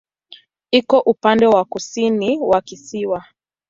Iko upande wa kusini wa kisiwa.